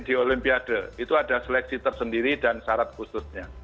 jadi olimpiade itu ada seleksi tersendiri dan syarat khususnya